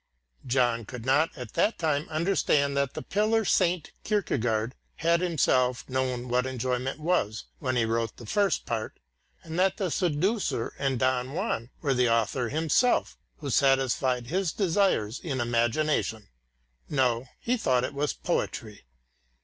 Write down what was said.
John could not at that time understand that the pillar saint Kierkegaard had himself known what enjoyment was when he wrote the first part, and that the seducer and Don Juan were the author himself, who satisfied his desires in imagination. No, he thought it was poetry.